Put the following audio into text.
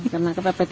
karena kepepet ya